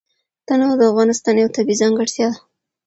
تنوع د افغانستان یوه طبیعي ځانګړتیا ده.